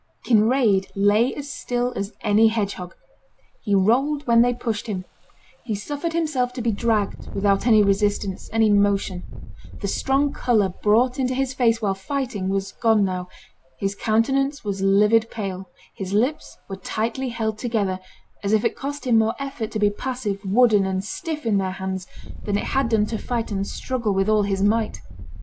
Kinraid lay as still as any hedgehog: he rolled when they pushed him; he suffered himself to be dragged without any resistance, any motion; the strong colour brought into his face while fighting was gone now, his countenance was livid pale; his lips were tightly held together, as if it cost him more effort to be passive, wooden, and stiff in their hands than it had done to fight and struggle with all his might.